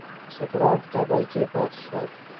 سفیران په کابل کې پاته شول.